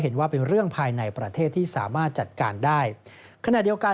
กตบอกไว้ดังนั้นสิ่งที่ไม่แน่ใจก็ไม่ควรทำ